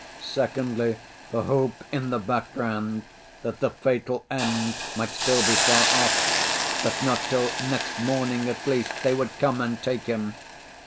Secondly, the hope in the background that the fatal end might still be far off, that not till next morning, at least, they would come and take him.